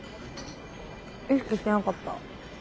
意識してなかった。